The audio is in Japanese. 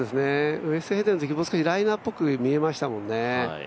ウェストヘーゼンのとき、もうちょっとライナーっぽく見えましたもんね。